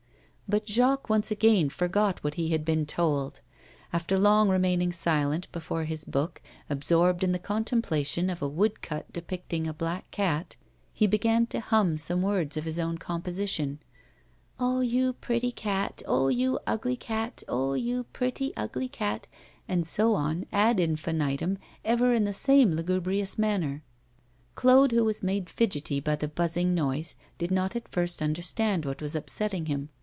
But Jacques once again forgot what he had been told. After long remaining silent before his book, absorbed in the contemplation of a wood cut depicting a black cat, he began to hum some words of his own composition: 'Oh, you pretty cat; oh, you ugly cat; oh, you pretty, ugly cat,' and so on, ad infinitum, ever in the same lugubrious manner. Claude, who was made fidgety by the buzzing noise, did not at first understand what was upsetting him.